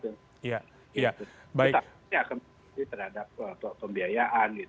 kita akan memiliki terhadap pembiayaan gitu ya